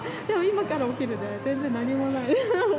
でも今からお昼で全然何もない。